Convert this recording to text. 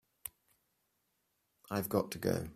I've got to go.